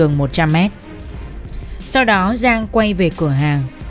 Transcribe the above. hắn lột hết tài sản quần áo của chị hằng